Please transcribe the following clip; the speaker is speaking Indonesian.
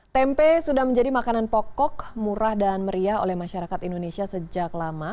tempe sudah menjadi makanan pokok murah dan meriah oleh masyarakat indonesia sejak lama